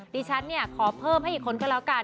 นี่ฉันนี่ขอเพิ่มให้อีกคนเข้าแล้วกัน